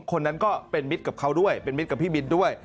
คนนั้นก็เป็นมิตรกับเขาด้วยเป็นมิตรกับพี่มิตรด้วย